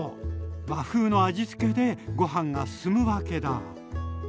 和風の味付けでご飯が進むわけだ。